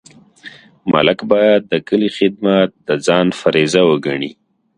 ملک باید د کلي خدمت د ځان فریضه وګڼي.